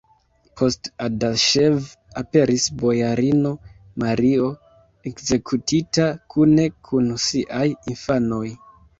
Post Adaŝev aperis bojarino Mario, ekzekutita kune kun siaj infanoj.